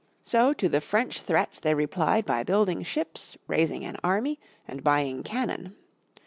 So to the French threats they replied by building ships, raising an army, and buying cannon.